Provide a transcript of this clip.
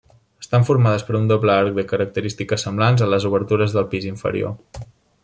Estan formades per un doble arc de característiques semblants a les obertures del pis inferior.